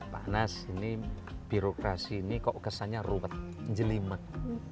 pak anas ini birokrasi ini kok kesannya ruwet jelimet